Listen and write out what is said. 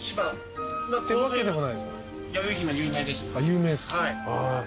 有名っすか。